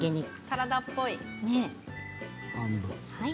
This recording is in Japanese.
サラダっぽい。